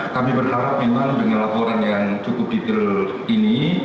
kami berharap memang dengan laporan yang cukup detail ini